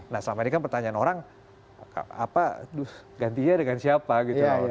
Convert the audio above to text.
nah selama ini kan pertanyaan orang gantinya dengan siapa gitu